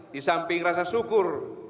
di samping rasa syukur